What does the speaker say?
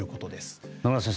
野村先生